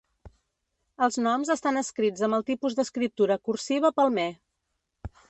Els noms estan escrits amb el tipus d'escriptura cursiva Palmer.